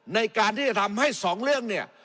ในการที่จะทำให้สองเรื่องเนี่ย